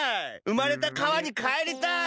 うまれたかわにかえりたい。